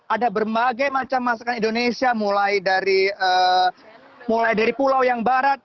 ada berbagai macam masakan indonesia mulai dari pulau yang barat